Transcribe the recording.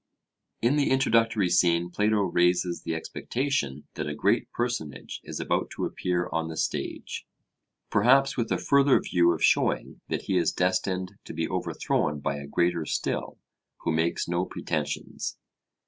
In the introductory scene Plato raises the expectation that a 'great personage' is about to appear on the stage; perhaps with a further view of showing that he is destined to be overthrown by a greater still, who makes no pretensions.